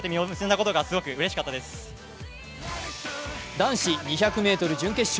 男子２００ｍ準決勝。